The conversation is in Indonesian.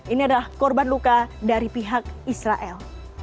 ini adalah korban luka dari pihak israel